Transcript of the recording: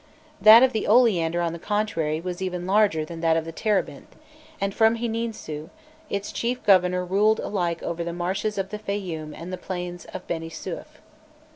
[*] That of the Oleander, on the contrary, was even larger than that of the Terebinth, and from Hininsû, its chief governor ruled alike over the marshes of the Fayûm and the plains of Beni Suef.